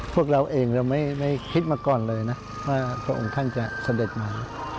พวกเราเองเราไม่คิดมาก่อนเลยนะว่าพระองค์ท่านจะเสด็จมา